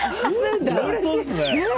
本当ですね。